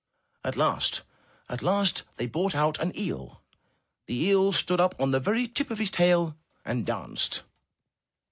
At last, at last they brought out an eel. The eel stood up on the very tip of his tail and danced.